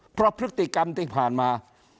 เพราะพฤติกรรมที่ผ่านมา